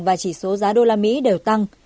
và chỉ số giá đô la mỹ đều tăng